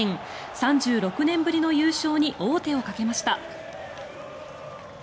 ３６年ぶりの優勝に王手をかけました。